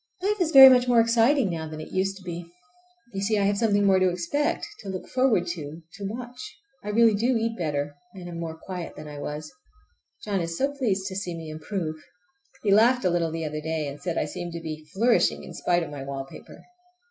Life is very much more exciting now than it used to be. You see I have something more to expect, to look forward to, to watch. I really do eat better, and am more quiet than I was. John is so pleased to see me improve! He laughed a little the other day, and said I seemed to be flourishing in spite of my wallpaper.